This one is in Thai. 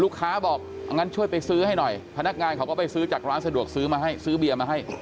บอกงั้นช่วยไปซื้อให้หน่อยพนักงานเขาก็ไปซื้อจากร้านสะดวกซื้อมาให้ซื้อเบียร์มาให้